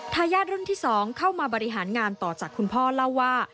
ทายาทรุ่นที่๒เข้ามาบริหารงานต่อจากคุณพ่อเล่าว่า